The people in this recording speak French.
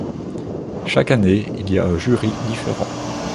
Chaque année, il y a un jury différent.